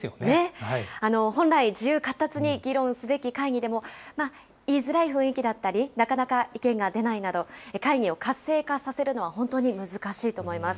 本来、自由かったつに議論すべき会議でも、まあ、言いづらい雰囲気だったり、なかなか意見が出ないなど、会議を活性化させるのは本当に難しいと思います。